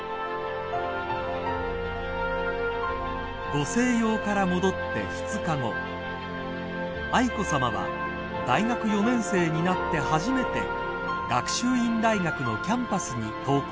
［ご静養から戻って２日後愛子さまは大学４年生になって初めて学習院大学のキャンパスに登校されました］